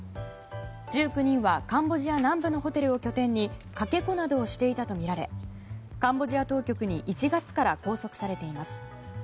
１９人はカンボジア南部のホテルを拠点にかけ子などをしていたとみられカンボジア当局に１月から拘束されています。